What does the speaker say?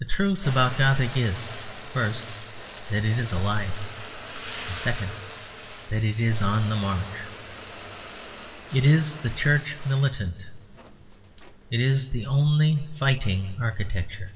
The truth about Gothic is, first, that it is alive, and second, that it is on the march. It is the Church Militant; it is the only fighting architecture.